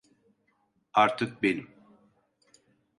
Artık benim.